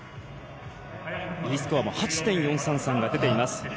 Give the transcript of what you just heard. Ｄスコアも８．４３３が出ています。